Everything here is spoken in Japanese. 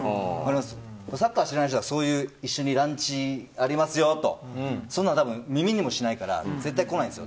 サッカー知らない人が一緒にランチありますよと言ってもそんなの多分、耳にもしないから絶対来ないんですよ。